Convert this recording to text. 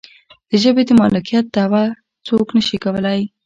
د ژبې د مالکیت دعوه څوک نشي کولی.